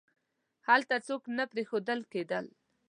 هلته څوک نه پریښودل کېدل.